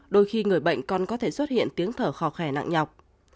đôi khi người bệnh còn có thể xuất hiện tiếng thở khó khẻ nặng nhọc